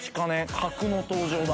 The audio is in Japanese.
核の登場だ。